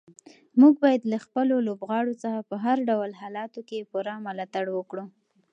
موږ باید له خپلو لوبغاړو څخه په هر ډول حالاتو کې پوره ملاتړ وکړو.